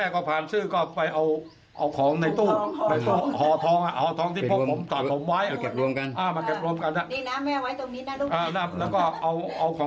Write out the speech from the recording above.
ของหายหมดเลย